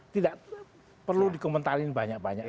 tidak perlu dikomentarin banyak banyak